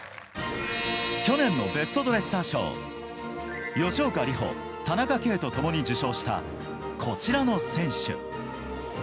去年のベストドレッサー賞吉岡里帆、田中圭と共に受賞したこちらの選手。